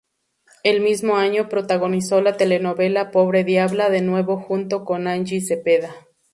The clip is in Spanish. El mismo año, protagonizó la telenovela "Pobre diabla", de nuevo junto con Angie Cepeda.